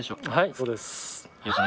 そうですね。